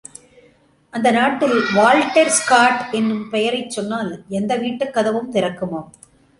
அந்த நாட்டில் Walter Scott என்னும் பெயரைச் சொன்னால் எந்த வீட்டுக் கதவும் திறக்குமாம்.